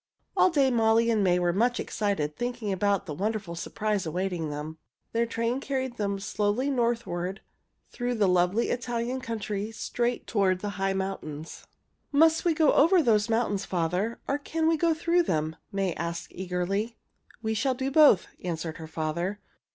All day Molly and May were much excited thinking about the wonderful surprise awaiting them. Their train carried them slowly northward through the lovely Italian country straight toward the high mountains. "Must we go over those mountains, father, or can we go through them?" May asked eagerly. "We shall do both," answered her father.